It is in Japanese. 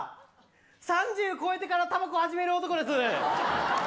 「３０超えてからタバコ始める男」です！